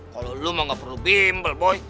kalau lo mau enggak perlu bimbal boy